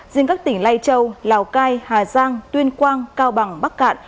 riêng các tỉnh lai châu lào cai hà giang tuyên quang cao bằng bắc cạn